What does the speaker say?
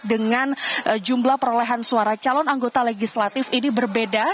dengan jumlah perolehan suara calon anggota legislatif ini berbeda